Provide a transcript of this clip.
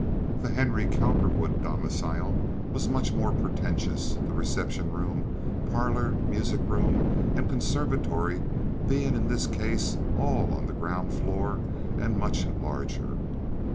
The Henry Cowperwood domicile was much more pretentious, the reception room, parlor, music room, and conservatory being in this case all on the ground floor and much larger.